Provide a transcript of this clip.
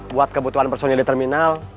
buat kebutuhan personil di terminal